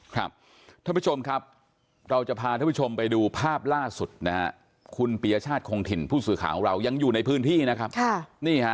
ท่านผู้ชมครับเราจะพาท่านผู้ชมไปดูภาพล่าสุดนะฮะคุณปียชาติคงถิ่นผู้สื่อข่าวของเรายังอยู่ในพื้นที่นะครับ